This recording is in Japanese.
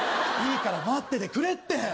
いいから待っててくれって。